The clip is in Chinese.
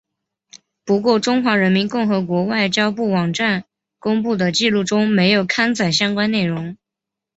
不过中华人民共和国外交部网站公布的记录中没有刊载相关内容。